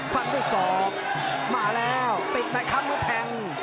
ฟังด้วยศอกมาแล้วติดนะครับแล้วแทง